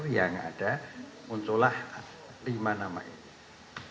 yang ada munculah lima nama ini